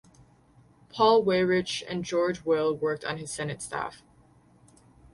Paul Weyrich and George Will worked on his Senate staff.